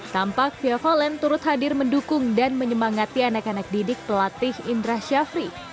tampak via valen turut hadir mendukung dan menyemangati anak anak didik pelatih indra syafri